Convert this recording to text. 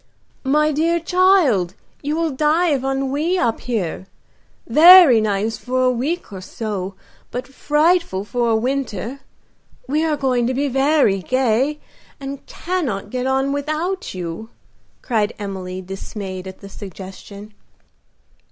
"My dear child, you will die of ennui up here. Very nice for a week or so, but frightful for a winter. We are going to be very gay, and cannot get on without you," cried Emily dismayed at the suggestion.